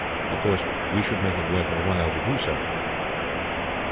Of course we should make it worth her while to do so."